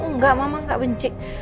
enggak mama gak benci